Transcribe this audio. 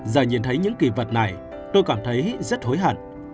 giờ nhìn thấy những kỳ vật này tôi cảm thấy rất hối hận